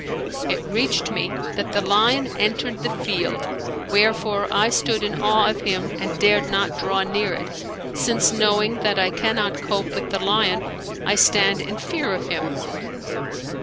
It reached me that the lion entered the field wherefore I stood in awe of him and dared not draw near it, since knowing that I cannot cope with the lion, I stand in fear of him."